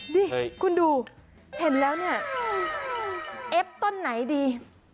นี่คุณดูเห็นแล้วเนี่ยเอฟต้นไหนดี